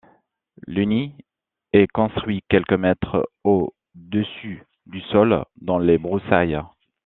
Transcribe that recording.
Le nid est construit quelques mètres au-dessus du sol, dans les broussailles.